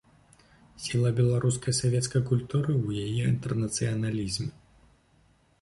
Сіла беларускай савецкай культуры ў яе інтэрнацыяналізме.